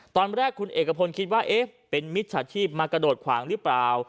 ตอนแรกคุณเอกพลคิดว่าเอ๊ะเป็นมิจฉาชีพมากระโดดขวางหรือเปล่า